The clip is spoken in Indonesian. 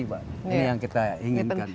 ini yang kita inginkan